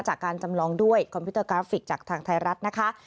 จากการจำลองด้วยคอมพิวเตอร์กราฟิกจากทางไทยรัฐนะคะ